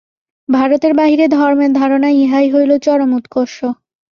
ভারতের বাহিরে ধর্মের ধারণায় ইহাই হইল চরম উৎকর্ষ।